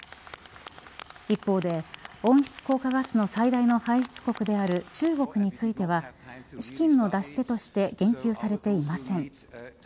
一方で温室効果ガスの最大の排出国である中国については資金の出し手として言及されていません。